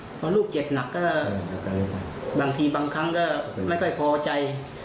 พอลูกเจ็บหนักก็บางทีบางครั้งก็ไม่ค่อยพอใจ